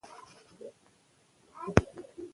الوتکه د توند باد له امله لږه لړزېدلې وه.